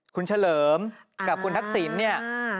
คุณเฉลิมกับคุณทักษิณเนี่ย